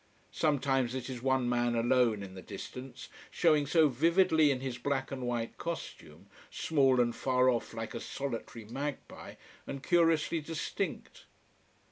Sometimes it is one man alone in the distance, showing so vividly in his black and white costume, small and far off like a solitary magpie, and curiously distinct.